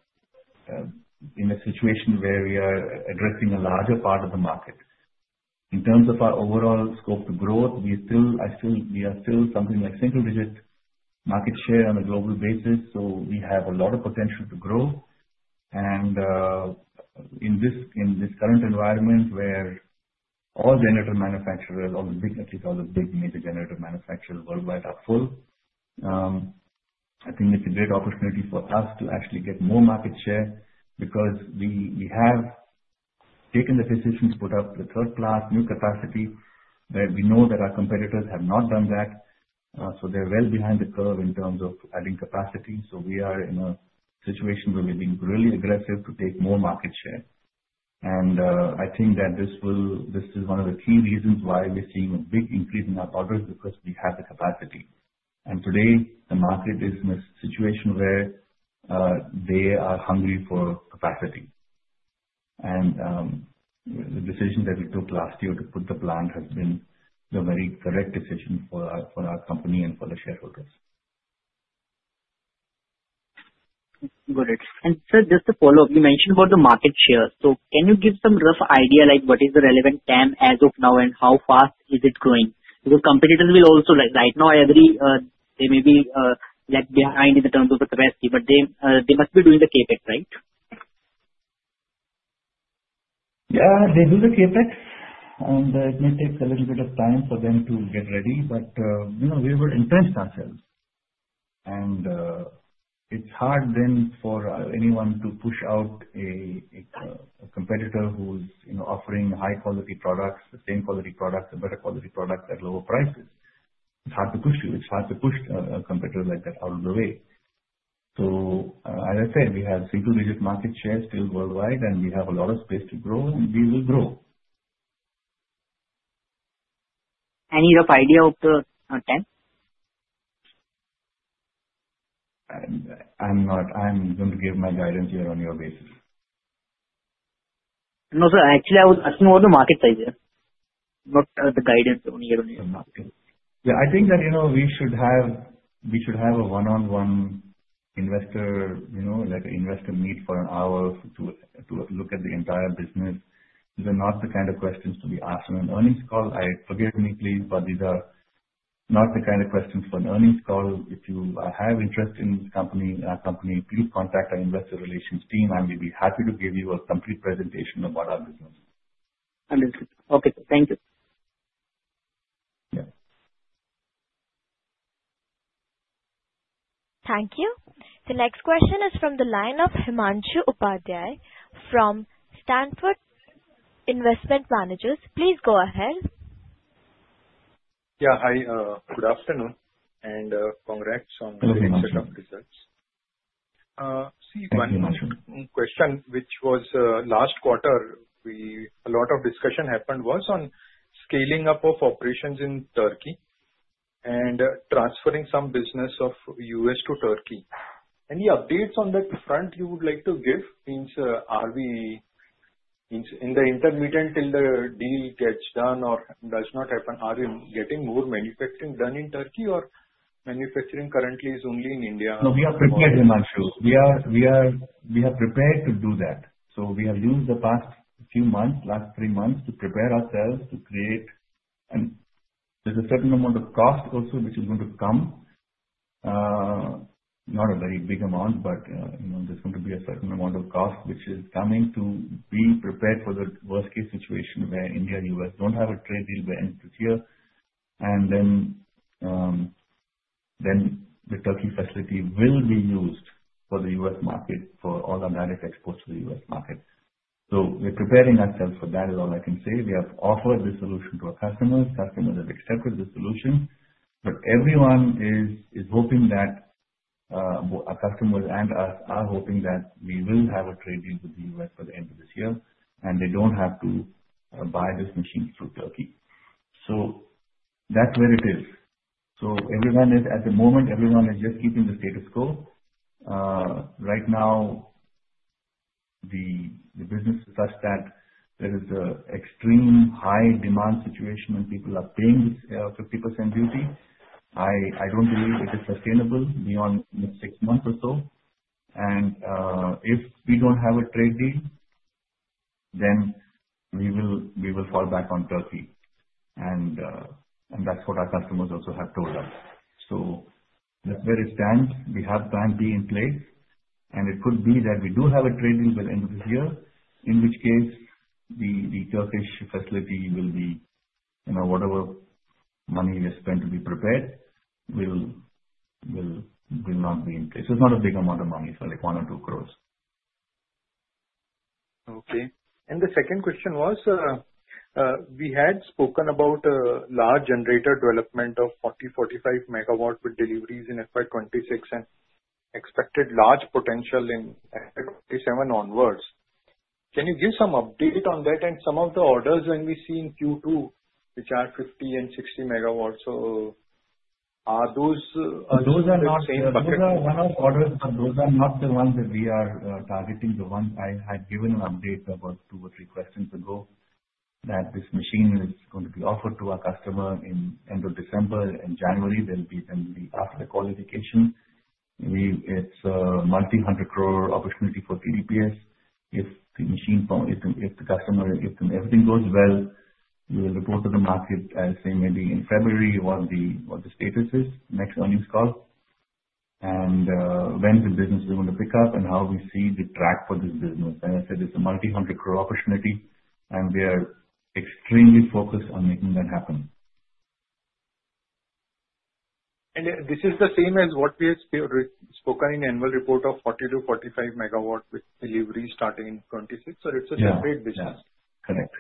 [SPEAKER 2] in a situation where we are addressing a larger part of the market. In terms of our overall scope to growth, we are still something like single-digit market share on a global basis, we have a lot of potential to grow. In this current environment, where all generator manufacturers, all the big major generator manufacturers worldwide are full, I think it's a great opportunity for us to actually get more market share because we have taken the decision to put up the third plant, new capacity. We know that our competitors have not done that. They're well behind the curve in terms of adding capacity. We are in a situation where we're being really aggressive to take more market share. I think that this is one of the key reasons why we're seeing a big increase in our orders, because we have the capacity. Today, the market is in a situation where they are hungry for capacity. The decision that we took last year to put the plant has been the very correct decision for our company and for the shareholders.
[SPEAKER 16] Got it. Sir, just a follow-up. You mentioned about the market share. Can you give some rough idea, what is the relevant TAM as of now, and how fast is it growing? Competitors will also. Right now, they may be lag behind in terms of the capacity, but they must be doing the CapEx, right?
[SPEAKER 2] Yeah, they do the CapEx, and it may take a little bit of time for them to get ready. We were impressed ourselves. It's hard then for anyone to push out a competitor who's offering high-quality products, the same quality product, a better quality product at lower prices. It's hard to push a competitor like that out of the way. As I said, we have single-digit market share still worldwide, and we have a lot of space to grow, and we will grow.
[SPEAKER 16] Any rough idea of the TAM?
[SPEAKER 2] I'm going to give my guidance here on your basis.
[SPEAKER 16] No, sir. Actually, I was asking about the market size here. What are the guidance on year-over-year market?
[SPEAKER 2] Yeah, I think that we should have a one-on-one investor meet for an hour to look at the entire business. These are not the kind of questions to be asked on an earnings call. Forgive me please, but these are not the kind of questions for an earnings call. If you have interest in our company, please contact our investor relations team, and we'll be happy to give you a complete presentation about our business.
[SPEAKER 16] Understood. Okay, sir. Thank you.
[SPEAKER 2] Yeah.
[SPEAKER 1] Thank you. The next question is from the line of Himanshu Upadhyay from Stanford Management Company. Please go ahead.
[SPEAKER 17] Yeah. Good afternoon, congrats on the.
[SPEAKER 2] Hello, Himanshu
[SPEAKER 17] great set of results.
[SPEAKER 2] Thank you, Himanshu.
[SPEAKER 17] One question which was last quarter, a lot of discussion happened was on scaling up of operations in Turkey and transferring some business of U.S. to Turkey. Any updates on that front you would like to give since in the intermediate, till the deal gets done or does not happen, are we getting more manufacturing done in Turkey or manufacturing currently is only in India?
[SPEAKER 2] We are prepared, Himanshu. We are prepared to do that. We have used the past few months, last three months, to prepare ourselves to create There's a certain amount of cost also which is going to come. Not a very big amount, but there's going to be a certain amount of cost which is coming to being prepared for the worst case situation where India and U.S. don't have a trade deal by end of this year. The Turkey facility will be used for the U.S. market for all the manufactured exports to the U.S. market. We're preparing ourselves for that is all I can say. We have offered the solution to our customers. Customers have accepted the solution. Everyone is hoping that, our customers and us are hoping that we will have a trade deal with the U.S. by the end of this year, and they don't have to buy this machine through Turkey. That's where it is. At the moment, everyone is just keeping the status quo. Right now the business is such that there is an extreme high demand situation and people are paying this 50% duty. I don't believe it is sustainable beyond six months or so. If we don't have a trade deal, then we will fall back on Turkey. That's what our customers also have told us. That's where it stands. We have plan B in place, it could be that we do have a trade deal by the end of this year, in which case the Turkish facility will be, whatever money we spent to be prepared will not be in place. It's not a big amount of money. It's like one or two crores.
[SPEAKER 17] Okay. The second question was, we had spoken about a large generator development of 40, 45 megawatts with deliveries in FY 2026 and expected large potential in FY 2027 onwards. Can you give some update on that and some of the orders when we see in Q2, which are 50 and 60 megawatts, are those-
[SPEAKER 2] Those are one-off orders. Those are not the ones that we are targeting. The ones I had given an update about two or three quarters ago, that this machine is going to be offered to our customer in end of December and January. There'll be after qualification. It's a multi-hundred crore opportunity for TDPS. If the customer, if everything goes well, we will report to the market, I'll say maybe in February, what the status is, next earnings call. When the business is going to pick up and how we see the track for this business. As I said, it's a multi-hundred crore opportunity, we are extremely focused on making that happen.
[SPEAKER 17] This is the same as what we had spoken in annual report of 40 to 45 megawatts with delivery starting in 2026, or it's a separate business?
[SPEAKER 2] Correct.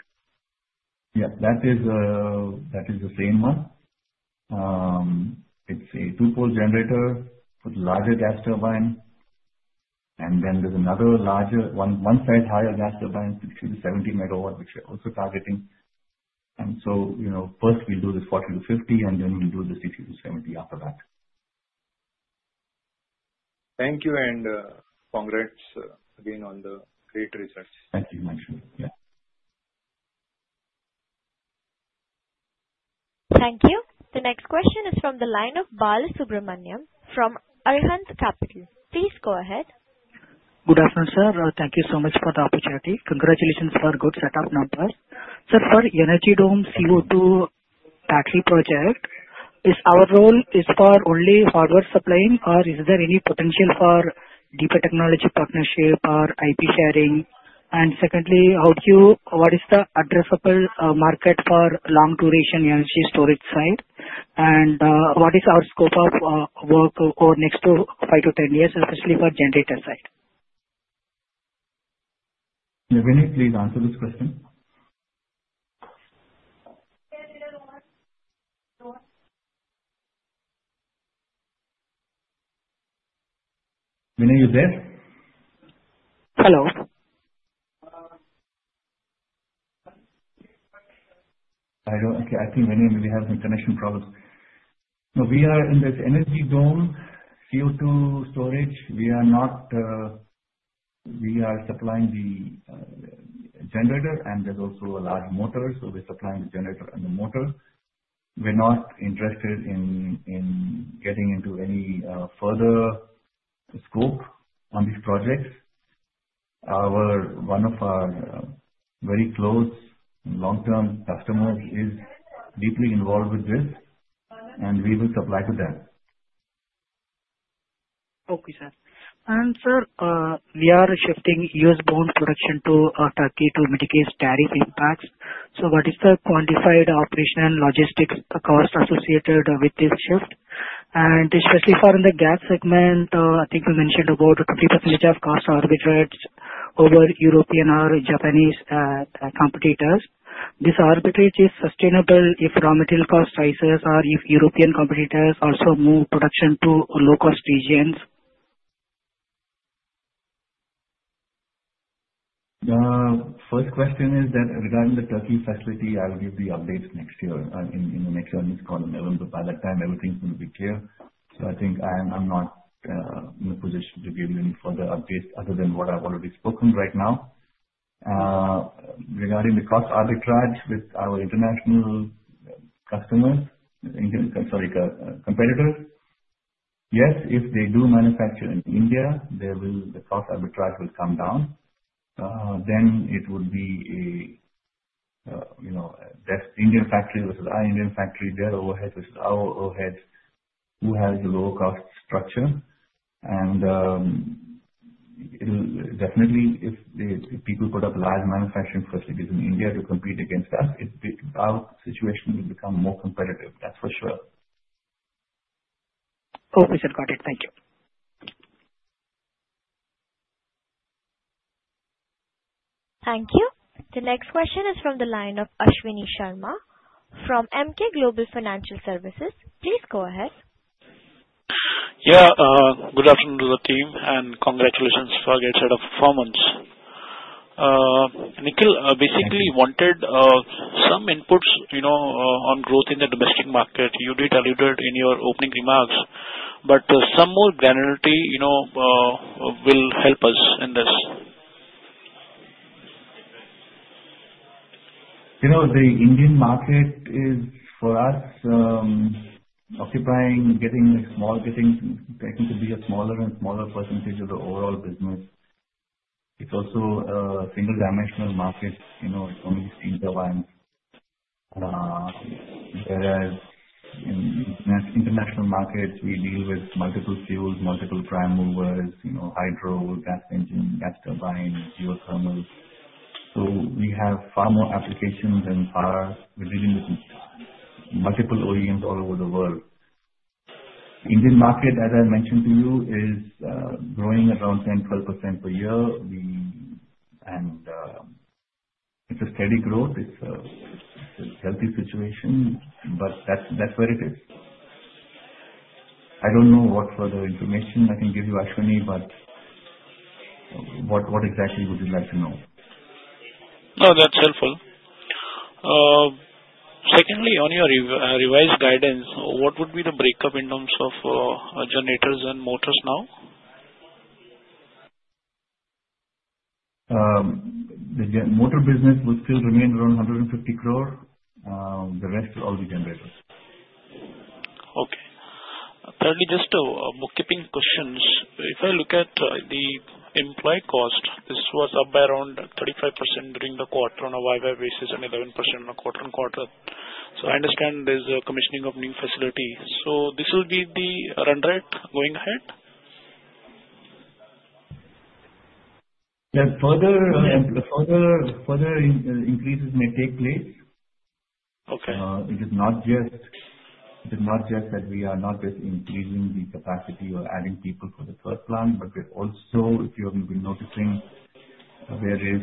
[SPEAKER 2] That is the same one. It's a two-pole generator with larger gas turbine. Then there's another larger, one size higher gas turbine, 60-70 MW, which we're also targeting. First we'll do this 40-50, then we'll do the 60-70 after that.
[SPEAKER 17] Thank you. Congrats again on the great results.
[SPEAKER 2] Thank you, Himanshu.
[SPEAKER 1] Thank you. The next question is from the line of Bala Subramaniam from Arihant Capital. Please go ahead.
[SPEAKER 18] Good afternoon, sir. Thank you so much for the opportunity. Congratulations for good set of numbers. Sir, for Energy Dome CO2 battery project, our role is for only forward supplying or is there any potential for deeper technology partnership or IP sharing? Secondly, what is the addressable market for long duration energy storage side? What is our scope of work for next five to 10 years, especially for generator side?
[SPEAKER 2] Vinay, please answer this question. Vinay, you there?
[SPEAKER 18] Hello.
[SPEAKER 2] I think Vinay maybe having connection problems. We are in this Energy Dome CO2 storage. We are supplying the generator and there's also a large motor. We're supplying the generator and the motor. We're not interested in getting into any further scope on these projects. One of our very close long-term customers is deeply involved with this, and we will supply to them.
[SPEAKER 18] Okay, sir. Sir, we are shifting U.S.-bound production to Turkey to mitigate tariff impacts. What is the quantified operational logistics cost associated with this shift? Especially for in the gas segment, I think you mentioned about 50% of costs are arbitrated over European or Japanese competitors. This arbitrage is sustainable if raw material cost rises or if European competitors also move production to low-cost regions.
[SPEAKER 2] The first question is that regarding the turnkey facility, I'll give the updates next year in the next earnings call in November. By that time, everything's going to be clear. I think I'm not in a position to give any further updates other than what I've already spoken right now. Regarding the cost arbitrage with our international competitors, yes, if they do manufacture in India, the cost arbitrage will come down. It would be that Indian factory versus our Indian factory, their overhead versus our overhead, who has the lower cost structure. Definitely, if people put up large manufacturing facilities in India to compete against us, our situation will become more competitive, that's for sure.
[SPEAKER 18] Okay, sir. Got it. Thank you.
[SPEAKER 1] Thank you. The next question is from the line of Ashwani Sharma from Emkay Global Financial Services. Please go ahead.
[SPEAKER 19] Good afternoon to the team, and congratulations for your set of performance. Nikhil, basically wanted some inputs on growth in the domestic market. You did allude it in your opening remarks, some more granularity will help us in this.
[SPEAKER 2] The Indian market is, for us, getting to be a smaller and smaller percentage of the overall business. It's also a single-dimensional market. It's only steam turbines. Whereas in international markets, we deal with multiple fuels, multiple prime movers, hydro, gas engine, gas turbine, geothermal. We have far more applications and far we're dealing with multiple OEMs all over the world. Indian market, as I mentioned to you, is growing around 10%, 12% per year. It's a steady growth. It's a healthy situation. That's where it is. I don't know what further information I can give you, Ashwani, what exactly would you like to know?
[SPEAKER 19] No, that's helpful. Secondly, on your revised guidance, what would be the breakup in terms of generators and motors now?
[SPEAKER 2] The motor business would still remain around 150 crore. The rest will all be generators.
[SPEAKER 19] Okay. Thirdly, just bookkeeping questions. If I look at the employee cost, this was up by around 35% during the quarter on a year-over-year basis and 11% on a quarter-on-quarter. I understand there's a commissioning of new facility. This will be the run rate going ahead?
[SPEAKER 2] Yes. Further increases may take place.
[SPEAKER 19] Okay.
[SPEAKER 2] It is not just that we are not just increasing the capacity or adding people for the first plant, but we're also, if you have been noticing, various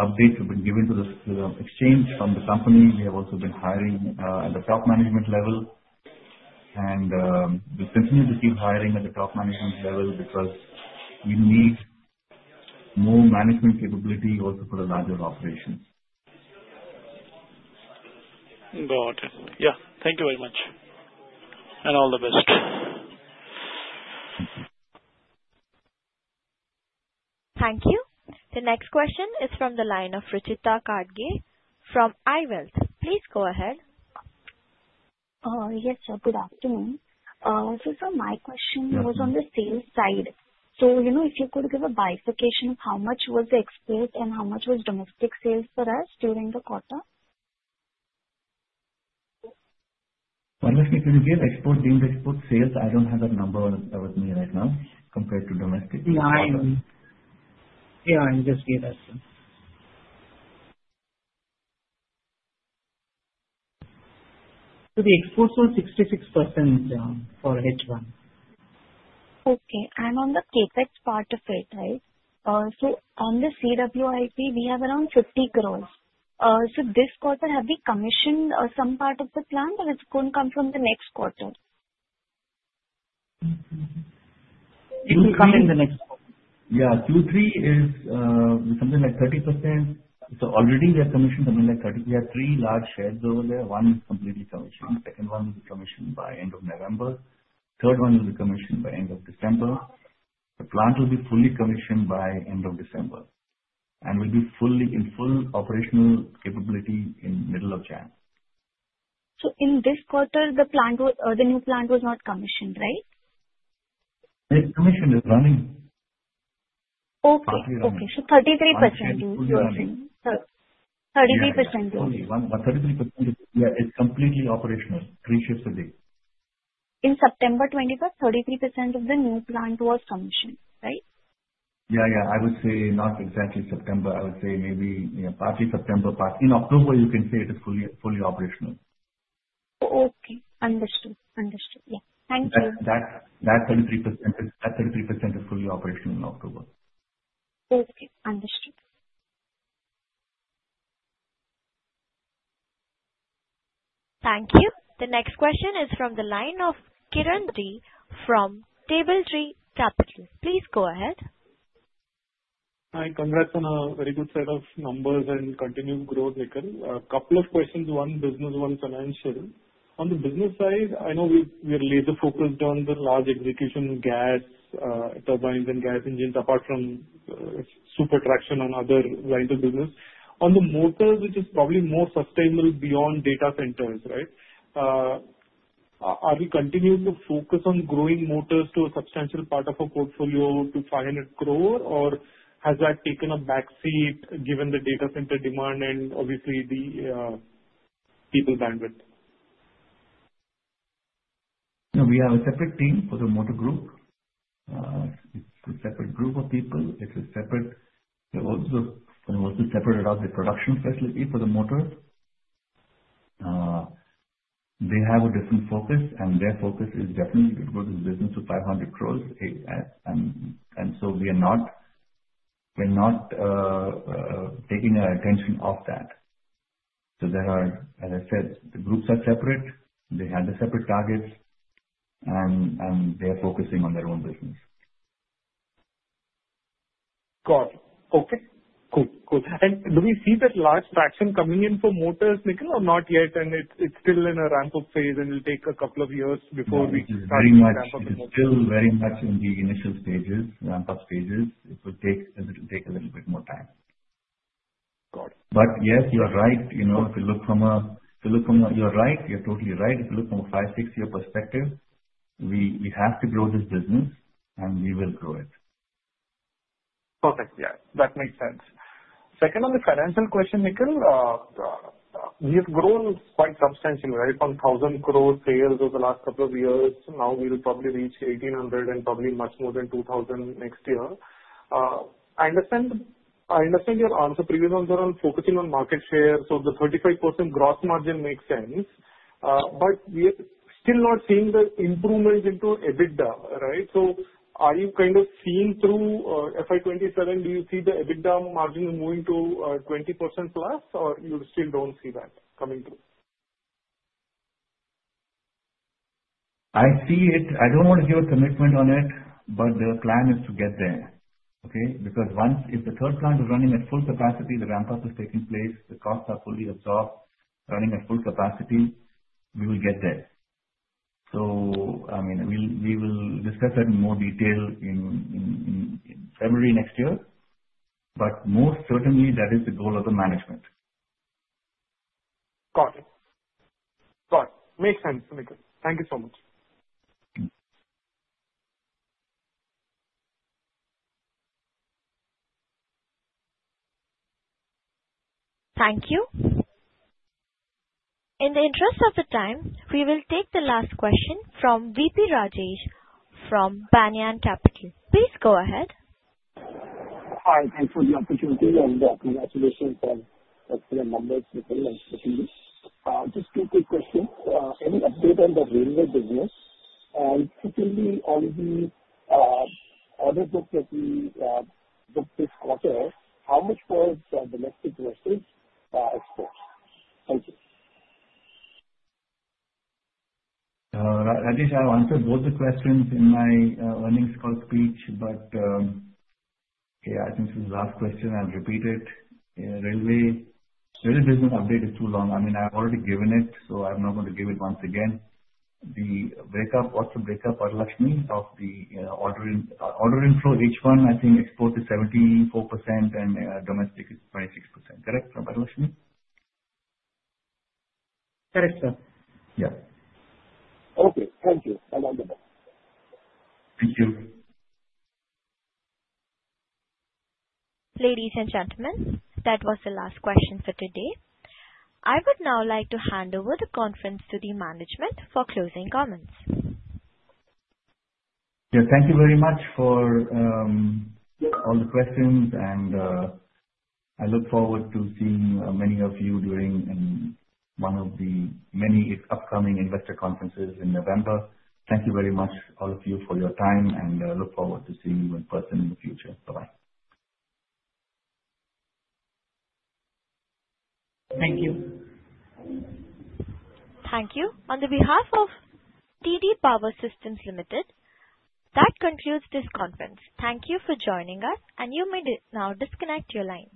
[SPEAKER 2] updates have been given to the exchange from the company. We have also been hiring at the top management level. We'll continue to keep hiring at the top management level because we need more management capability also for the larger operations.
[SPEAKER 19] Got it. Yeah. Thank you very much. All the best.
[SPEAKER 1] Thank you. The next question is from the line of Ruchita Katge from IWealth. Please go ahead.
[SPEAKER 20] Yes, sir. Good afternoon. Sir, my question was on the sales side. If you could give a bifurcation of how much was the export and how much was domestic sales for us during the quarter?
[SPEAKER 2] Domestically, we give export, domestic export sales. I don't have that number with me right now compared to domestic.
[SPEAKER 20] Just give estimate.
[SPEAKER 2] The exports were 66% for H1.
[SPEAKER 20] Okay. On the CapEx part of it. On the CWIP, we have around 50 crores. This quarter, have we commissioned some part of the plant or it's going to come from the next quarter? It will come in the next quarter.
[SPEAKER 2] Yeah. Q3 is something like 30%. Already we have commissioned something like 30. We have three large sheds over there. One is completely commissioned. Second one will be commissioned by end of November. Third one will be commissioned by end of December. The plant will be fully commissioned by end of December. Will be in full operational capability in middle of January.
[SPEAKER 20] In this quarter, the new plant was not commissioned, right?
[SPEAKER 2] It's commissioned. It's running.
[SPEAKER 20] Okay. 33% you were saying.
[SPEAKER 2] Yes. Only 33%, but it's completely operational, three shifts a day.
[SPEAKER 20] In September 21st, 33% of the new plant was commissioned, right?
[SPEAKER 2] Yeah. I would say not exactly September. I would say maybe partly September. In October you can say it is fully operational.
[SPEAKER 20] Okay. Understood. Thank you.
[SPEAKER 2] That 33% is fully operational in October.
[SPEAKER 20] Okay. Understood.
[SPEAKER 1] Thank you. The next question is from the line of Kiran Dee from Table Tree Capital. Please go ahead.
[SPEAKER 21] Hi, congrats on a very good set of numbers and continued growth, Nikhil. A couple of questions, one business, one financial. On the business side, I know we're laser-focused on the large execution gas turbines and gas engines, apart from super traction on other lines of business. On the motors, which is probably more sustainable beyond data centers, right? Are we continuing to focus on growing motors to a substantial part of our portfolio to 500 crore, or has that taken a back seat given the data center demand and obviously the people bandwidth?
[SPEAKER 2] We have a separate team for the motor group. It's a separate group of people. We also separated out the production facility for the motor. They have a different focus, and their focus is definitely to grow this business to 500 crore. We're not taking our attention off that. As I said, the groups are separate. They have the separate targets, and they are focusing on their own business.
[SPEAKER 21] Got it. Okay. Cool. Do we see that large traction coming in for motors, Nikhil, or not yet, and it's still in a ramp-up phase and will take a couple of years before we can start to ramp up the motors?
[SPEAKER 2] It's still very much in the initial stages, ramp-up stages. It will take a little bit more time.
[SPEAKER 21] Got it.
[SPEAKER 2] Yes, you are right. You are totally right, if you look from a five, six-year perspective, we have to grow this business, and we will grow it.
[SPEAKER 21] Perfect. Yes, that makes sense. Second, on the financial question, Nikhil, you've grown quite substantially, right? From 1,000 crore sales over the last couple of years. Now we'll probably reach 1,800 and probably much more than 2,000 next year. I understand your answer previously was around focusing on market share, so the 35% gross margin makes sense. We're still not seeing the improvements into EBITDA, right? Are you kind of seeing through FY 2027, do you see the EBITDA margin moving to 20% plus, or you still don't see that coming through?
[SPEAKER 2] I see it. I don't want to give a commitment on it, the plan is to get there. Okay? Because if the third plant is running at full capacity, the ramp-up is taking place, the costs are fully absorbed, running at full capacity, we will get there. We will discuss that in more detail in February next year. Most certainly, that is the goal of the management.
[SPEAKER 21] Got it. Makes sense, Nikhil. Thank you so much.
[SPEAKER 1] Thank you. In the interest of the time, we will take the last question from V.P. Rajesh from Banyan Capital. Please go ahead.
[SPEAKER 22] Hi, thanks for the opportunity and congratulations on the excellent numbers, Nikhil, and team. Just two quick questions. Any update on the railway business? Secondly, on the order book that we booked this quarter, how much was domestic versus exports? Thank you.
[SPEAKER 2] Rajesh, I answered both the questions in my earnings call speech, yeah, I think this is the last question. I'll repeat it. Railway business update is too long. I've already given it, so I'm not going to give it once again. What's the breakup for Lakshmi of the order inflow, each one, I think export is 74% and domestic is 26%. Correct, for Lakshmi?
[SPEAKER 4] Correct, sir.
[SPEAKER 2] Yeah.
[SPEAKER 22] Okay. Thank you. Wonderful.
[SPEAKER 2] Thank you.
[SPEAKER 1] Ladies and gentlemen, that was the last question for today. I would now like to hand over the conference to the management for closing comments.
[SPEAKER 2] Yeah, thank you very much for all the questions. I look forward to seeing many of you during one of the many upcoming investor conferences in November. Thank you very much, all of you, for your time. I look forward to seeing you in person in the future. Bye-bye.
[SPEAKER 21] Thank you.
[SPEAKER 1] Thank you. On behalf of TD Power Systems Limited, that concludes this conference. Thank you for joining us. You may now disconnect your line.